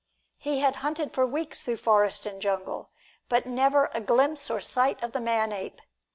He had hunted for weeks through forest and jungle, but never a glimpse or sight of the man ape!